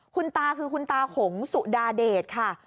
คุณตาคือคุณตาหงสุดาเดชค่ะ